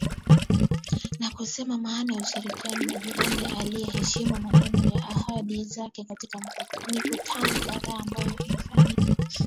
Na kusema maana ya ushirikiano na jirani aiyeheshimu maneno na ahadi zake katika mikutano kadhaa ambayo imefanyika.